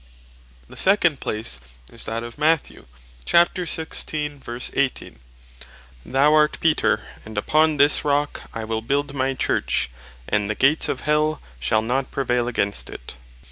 The second place is that of Matth. 16. "Thou art Peter, and upon this rocke I will build my Church, and the gates of Hell shall not prevail against it."